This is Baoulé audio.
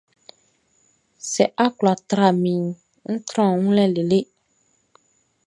Sɛ a kwla tra minʼn, ń trán ɔ wun lɛ lele.